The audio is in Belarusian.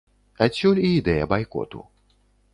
Адсюль і ідэя байкоту.